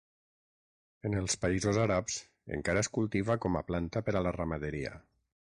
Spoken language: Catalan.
En els països àrabs encara es cultiva com a planta per a la ramaderia.